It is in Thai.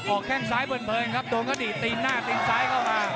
ออกแข้งซ้ายเบิ่นครับโดนก็ดีดตีนหน้าตีนซ้ายเข้ามา